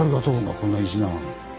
こんな石なのに。